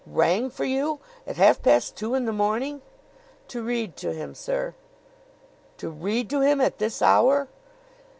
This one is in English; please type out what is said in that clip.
"Rang for you? At half past two in the morning!" "To read to him, sir." "To read to him at this hour?"